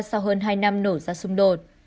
sau hơn hai năm nổ ra xung đột